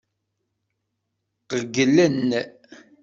Qeyylen.